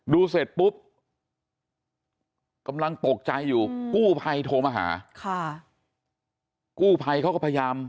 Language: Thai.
เสร็จปุ๊บกำลังตกใจอยู่กู้ภัยโทรมาหาค่ะกู้ภัยเขาก็พยายาม